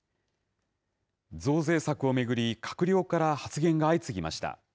増税策を巡り、閣僚から発言が相次ぎました。